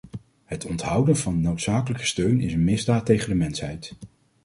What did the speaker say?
Het onthouden van noodzakelijke steun is een misdaad tegen de mensheid.